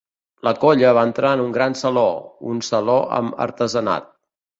La colla va entrar en el gran saló, un saló amb artesanat